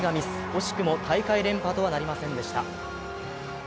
惜しくも大会連覇とはなりませんでした。